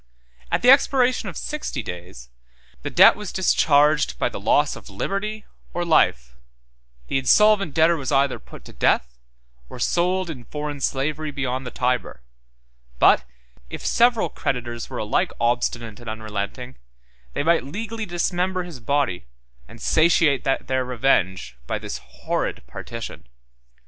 At the expiration of sixty days, the debt was discharged by the loss of liberty or life; the insolvent debtor was either put to death, or sold in foreign slavery beyond the Tyber: but, if several creditors were alike obstinate and unrelenting, they might legally dismember his body, and satiate their revenge by this horrid partition.